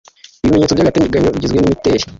Ibimenyetso by'agateganyo bigizwe n'imitemeri